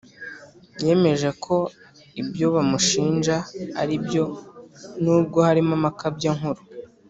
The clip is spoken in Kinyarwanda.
yemeje ko ibyo bamushinja aribyo nubwo harimo amakabya nkuru